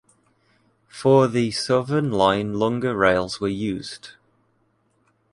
For the southern line longer rails were used.